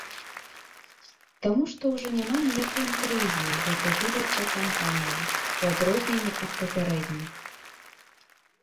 Таму што ўжо няма ніякай інтрыгі ў гэтай выбарчай кампаніі, у адрозненні ад папярэдніх.